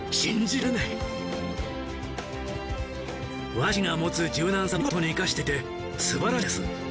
和紙が持つ柔軟さを見事に生かしていてすばらしいです。